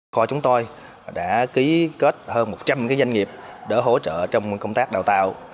khoa chúng tôi đã ký kết hơn một trăm linh doanh nghiệp để hỗ trợ trong công tác đào tạo